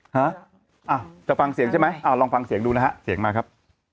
ฮะจะฟังเสียงใช่ไหมอ่าลองฟังเสียงดูนะฮะเสียงมาครับ